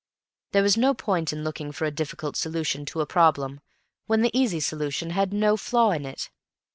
There was no point in looking for a difficult solution to a problem, when the easy solution had no flaw in it.